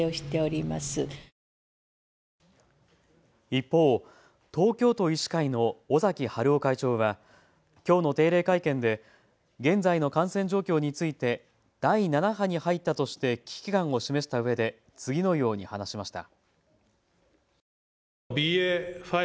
一方、東京都医師会の尾崎治夫会長はきょうの定例会見で現在の感染状況について第７波に入ったとして危機感を示したうえで次のように話しました。